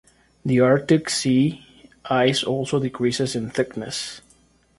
The arctic sea ice also decreases in thickness.